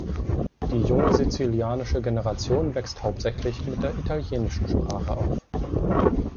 Die junge sizilianische Generation wächst hauptsächlich mit der italienischen Sprache auf.